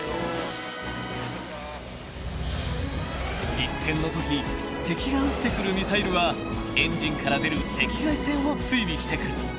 ［実戦のとき敵が撃ってくるミサイルはエンジンから出る赤外線を追尾してくる］